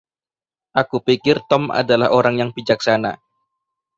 Aku pikir Tom adalah orang yang bijaksana.